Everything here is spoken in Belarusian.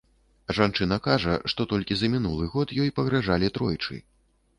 Жанчына кажа, што толькі за мінулы год ёй пагражалі тройчы.